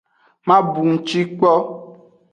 Ma bunci kpo.